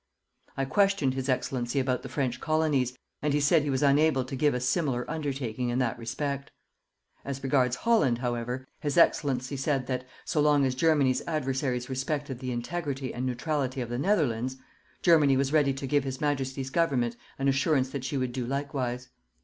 I questioned his Excellency about the French colonies, and he said he was unable to give a similar undertaking in that respect. As regards Holland, however, his Excellency said that, so long as Germany's adversaries respected the integrity and neutrality of the Netherlands, Germany was ready to give His Majesty's Government an assurance that she would do likewise.